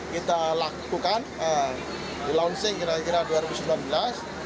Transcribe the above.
kita lakukan di launching kira kira dua ribu sembilan belas